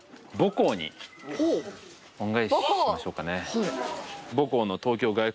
恩返ししましょうかね。